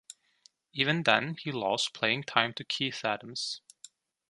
Even then he lost playing time to Keith Adams.